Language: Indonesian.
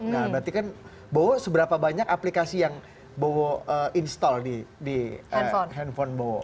nah berarti kan bowo seberapa banyak aplikasi yang bowo install di handphone bowo